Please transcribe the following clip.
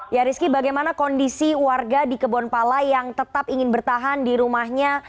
ya rizky bagaimana kondisi warga di kebonpala yang tetap ingin bertahan di rumahnya